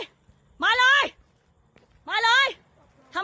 ทำร้ายกูใช่ไหม